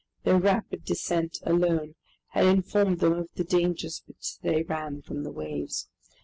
Their rapid descent alone had informed them of the dangers which they ran from the waves.